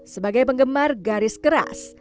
sebagai penggemar garis keras